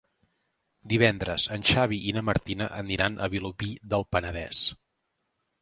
Divendres en Xavi i na Martina aniran a Vilobí del Penedès.